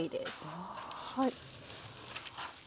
はい。